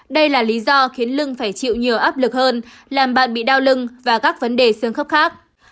đây là lý do khiến lưng phải chịu nhiều áp lực hơn làm bạn bị đau lưng và các vấn đề xương khớp khác